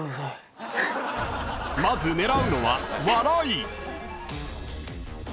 ［まず狙うのは「笑い」］